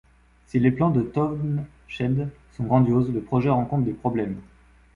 Si les plans de Townshend sont grandioses, le projet rencontre des problèmes.